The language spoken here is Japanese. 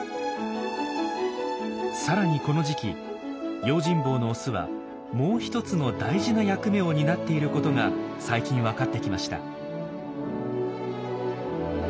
さらにこの時期用心棒のオスはもう一つの大事な役目を担っていることが最近分かってきました。